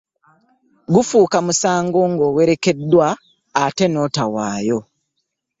Gufuuka musango ng'oweereddwa ate n'otawaayo.